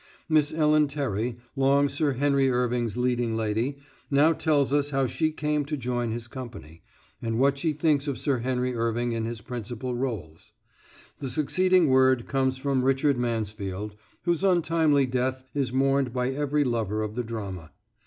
Miss Ellen Terry, long Sir Henry Irving's leading lady, now tells us how she came to join his company, and what she thinks of Sir Henry Irving in his principal roles. The succeeding word comes from Richard Mansfield, whose untimely death is mourned by every lover of the drama.